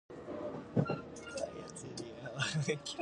提出期限